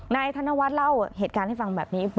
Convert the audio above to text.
นายธนวัลเล่าเหตุการณ์ให้ฟังนี่แบบนี้